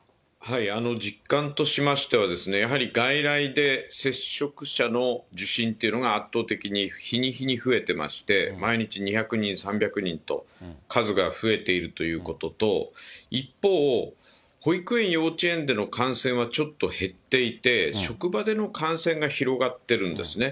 実感としましては、やはり外来で接触者の受診っていうのが圧倒的に、日に日に増えてまして、毎日２００人、３００人と数が増えているということと、一方、保育園、幼稚園での感染はちょっと減っていて、職場での感染が広がってるんですね。